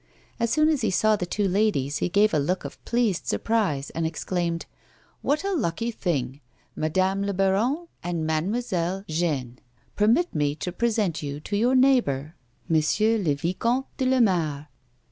As soon as he saw the two ladies he gave a look of pleased surprise, and exclaimed :" What a lucky thing ! Madame la baronne and Mile. Jeanne, permit me to present to you your neighbour, M. le Vicomte de Lamare."